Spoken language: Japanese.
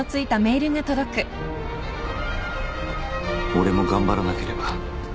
俺も頑張らなければ。